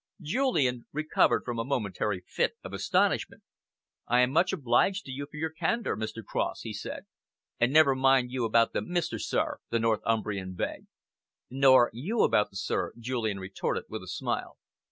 Julian recovered from a momentary fit of astonishment. "I am much obliged to you for your candour, Mr. Cross," he said. "And never you mind about the 'Mr.', sir," the Northumbrian begged. "Nor you about the 'sir'," Julian retorted, with a smile.